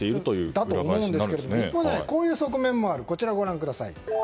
だと思いますが一方でこういう側面もあります。